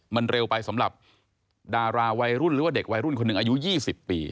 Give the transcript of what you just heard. มันเร็วไปสำหรับดาราวัยรุ่นหรือว่าเด็กวัยรุ่นคนหนึ่งอายุ๒๐ปี